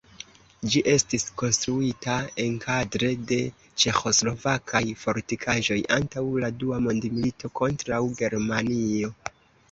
Ĝi estis konstruita enkadre de ĉeĥoslovakaj fortikaĵoj antaŭ la dua mondmilito kontraŭ Germanio.